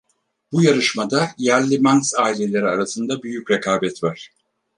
Bu yarışmada yerli Manx aileleri arasında büyük rekabet var.